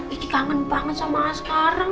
gigi kangen banget sama askara